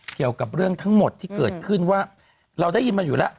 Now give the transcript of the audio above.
เกี่ยวกับเรื่องทั้งหมดที่เกิดขึ้นว่าเราได้ยินมาอยู่แล้ว